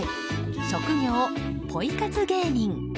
職業、ポイ活芸人。